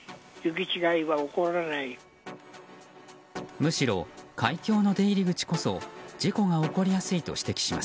むしろ海峡の出入り口こそ事故が起こりやすいと指摘します。